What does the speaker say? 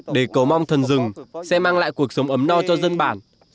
để cầu mong thần rừng sẽ mang lại cuộc sống ấm no cho dân bản